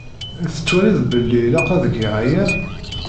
Tettwaliḍ belli ilaq ad geɣ aya?